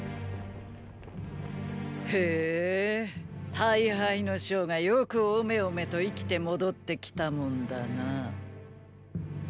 大敗の将がよくおめおめと生きて戻って来たもんだなー。